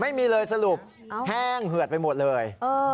ไม่มีเลยสรุปแห้งเหือดไปหมดเลย